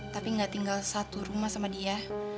tapi nggak tinggal satu rumah sama dia